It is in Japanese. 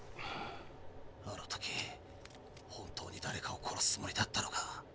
あの時本当にだれかを殺すつもりだったのか？